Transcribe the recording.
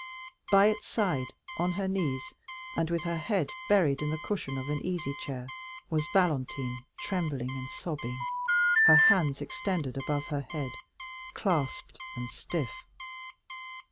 By its side, on her knees, and with her head buried in the cushion of an easy chair, was Valentine, trembling and sobbing, her hands extended above her head, clasped and stiff.